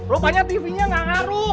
rupanya tv nya gak ngaruh